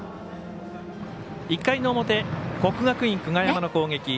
１回の表、国学院久我山の攻撃。